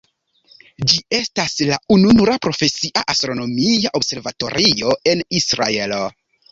Ĝi estas la ununura profesia astronomia observatorio en Israelo.